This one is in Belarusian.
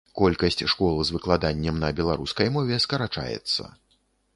Колькасць школ з выкладаннем на беларускай мове скарачаецца.